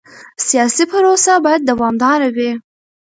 سیاسي پروسه باید دوامداره وي